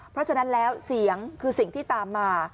เพราะฉะนั้นแล้วเสียงคือสิ่งที่ตามมา